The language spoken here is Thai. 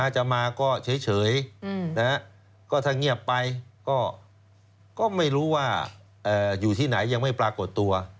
จะมาก็เฉยก็ถ้าเงียบไปก็ไม่รู้ว่าอยู่ที่ไหนยังไม่ปรากฏตัว